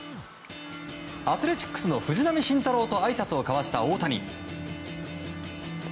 アスレチックスの藤浪晋太郎とあいさつを交わした大谷。